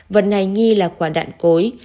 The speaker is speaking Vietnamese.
vật này nghi là quả đạn cối